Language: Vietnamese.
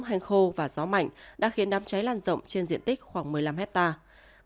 hành khô và gió mạnh đã khiến đám cháy lan rộng trên diện tích khoảng một mươi năm hectare